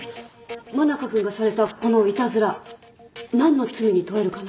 真中君がされたこのいたずら。何の罪に問えるかな？